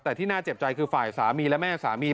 แต่ที่น่าเจ็บใจคือฝ่ายสามีและแม่สามี